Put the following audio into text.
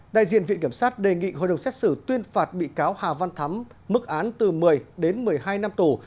đại diện viện kiểm sát đề nghị hội đồng xét xử tuyên phạt bị cáo hà văn thắm mức án từ một mươi đến một mươi hai năm tù